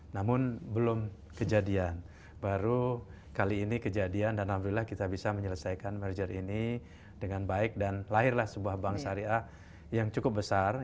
namun belum kejadian baru kali ini kejadian dan alhamdulillah kita bisa menyelesaikan merger ini dengan baik dan lahirlah sebuah bank syariah yang cukup besar